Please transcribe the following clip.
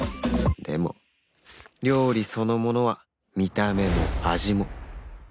でも料理そのものは見た目も味も